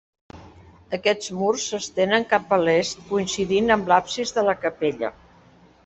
Aquests murs s'estenen cap a l'est coincidint amb l'absis de la capella.